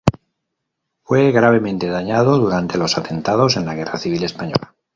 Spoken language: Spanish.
Fue gravemente dañado durante los atentados en la Guerra Civil Española.